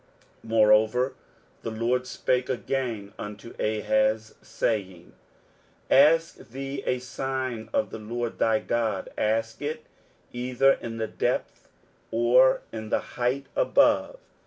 23:007:010 Moreover the LORD spake again unto Ahaz, saying, 23:007:011 Ask thee a sign of the LORD thy God; ask it either in the depth, or in the height above.